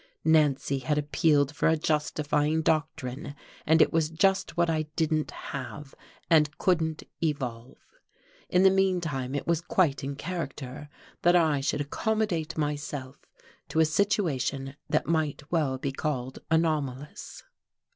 Nancy had appealed for a justifying doctrine, and it was just what I didn't have and couldn't evolve. In the meanwhile it was quite in character that I should accommodate myself to a situation that might well be called anomalous.